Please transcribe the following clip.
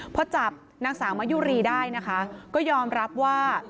พอจับนางสาวมะยุรีได้นะคะก็ยอมรับว่า